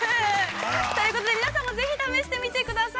◆ということで、皆さんもぜひ試してみてください。